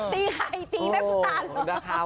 ตีใครตีแม่ผู้ตาม